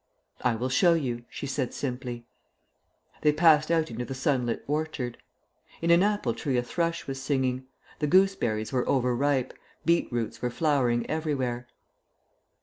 "I will show you," she said simply. They passed out into the sunlit orchard. In an apple tree a thrush was singing; the gooseberries were over ripe; beetroots were flowering everywhere.